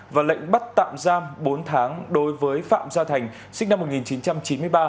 và lệnh bắt tạm giam bốn tháng đối với phạm gia thành sinh năm một nghìn chín trăm chín mươi ba